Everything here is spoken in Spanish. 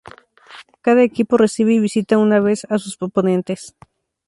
Cada equipo recibe y visita una vez a sus oponentes.